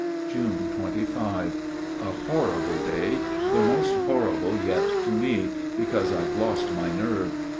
June 25. A horrible day. The most horrible yet to me, because I've lost my nerve.